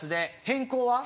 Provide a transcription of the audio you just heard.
変更は？